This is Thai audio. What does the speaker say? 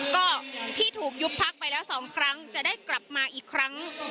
ก็ที่ถูกยุบพักไปแล้ว๒ครั้งจะได้กลับมาอีกครั้ง